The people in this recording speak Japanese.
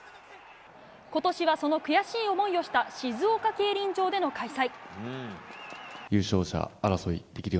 今年はその悔しい思いをした静岡競輪場での開催。